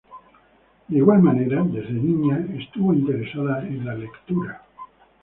De igual manera desde niña estuvo interesada en la lectura.